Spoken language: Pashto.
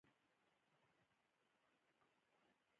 د حاصل ښه کیفیت د صادراتو لپاره مهم دی.